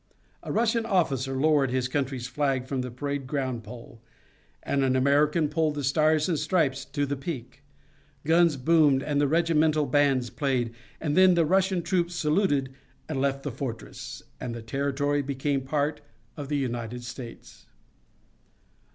A Russian officer lowered his country's flag from the parade ground pole, and an American pulled the Stars and Stripes to the peak. Guns boomed and regimental bands played, and then the Russian troops saluted and left the fortress, and the territory became part of the United States.